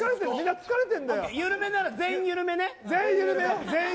緩めなら全員緩めね。